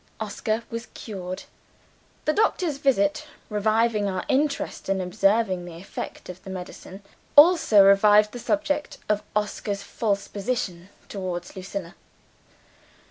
Oscar was cured. The doctor's visit reviving our interest in observing the effect of the medicine also revived the subject of Oscar's false position towards Lucilla.